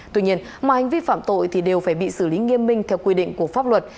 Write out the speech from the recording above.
tuy nhiên ngoài hành vi phạm tội thì đều phải bị xử lý nghiêm minh theo quy định của pháp luật